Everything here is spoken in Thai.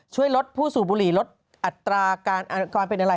ช่วยลดผู้สูบบุหรี่ลดอัตราการเป็นอะไร